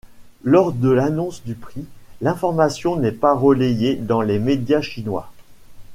Lors de l'annonce du prix, l'information n'est pas relayée dans les médias chinois.